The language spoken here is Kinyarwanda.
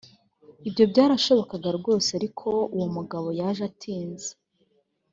ibyo byarashobokaga rwose ariko uwo mugabo yaje atinze.